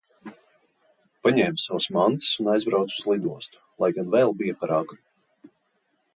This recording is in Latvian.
Paņēmu savas mantas un aizbraucu uz lidostu, lai gan vēl bija par agru.